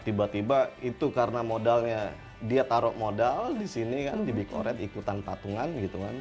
tiba tiba itu karena modalnya dia taruh modal di sini kan di big oret ikutan patungan gitu kan